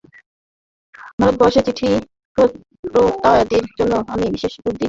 ভারতবর্ষের চিঠিপত্রাদির জন্য আমি বিশেষ উদ্বিগ্ন।